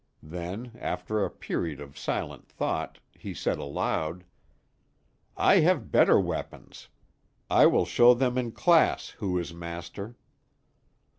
Then, after a period of silent thought, he said aloud: "I have better weapons. I will show them in class who is master."